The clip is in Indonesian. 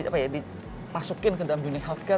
karena saya dipasukin ke dalam dunia health care